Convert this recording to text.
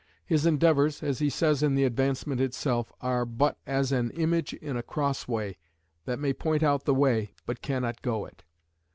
His endeavours, as he says in the Advancement itself, are "but as an image in a cross way, that may point out the way, but cannot go it."